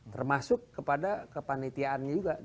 termasuk kepada kepanitiaannya juga